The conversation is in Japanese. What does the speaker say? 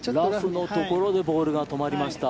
ラフのところでボールが止まりました。